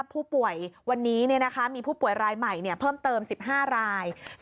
ผู้ป่วยวันนี้มีผู้ป่วยรายใหม่เพิ่มเติม๑๕ราย